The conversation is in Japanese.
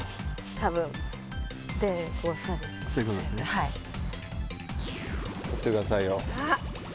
多分でそうですそういうことですねはい取ってくださいよ